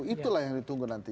itulah yang ditunggu nanti